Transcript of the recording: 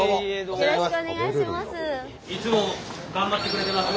よろしくお願いします。